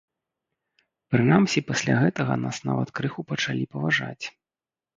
Прынамсі пасля гэтага нас нават крыху пачалі паважаць.